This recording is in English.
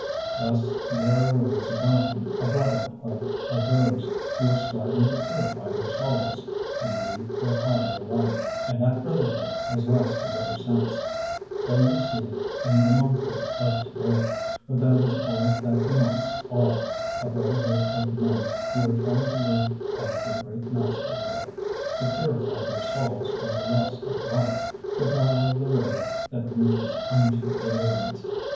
Thus there arose about him a brotherhood of those who were striving to purify their souls, and lead the higher life, and that brotherhood has lasted ever since, till you see in it the monkhood of to day, for that is all that the monks are a brotherhood of men who are trying to live as their great master lived, to purify their souls from the lust of life, to travel the road that reaches unto deliverance.